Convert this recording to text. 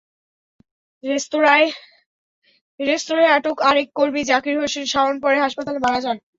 রেস্তোরাঁর আটক আরেক কর্মী জাকির হোসেন শাওন পরে হাসপাতালে মারা যান।